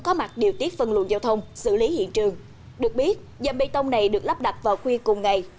có mặt điều tiết phân luận giao thông xử lý hiện trường được biết dòng bê tông này được lắp đặt vào khuya cùng ngày